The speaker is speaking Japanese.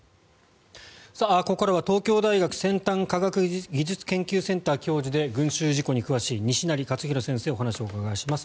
ここからは東京大学先端科学技術研究センター教授で群衆事故に詳しい西成活裕先生にお話をお伺いします。